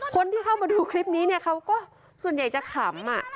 คนที่เข้ามาดูคลิปนี้เนี่ยเขาก็ส่วนใหญ่จะขำ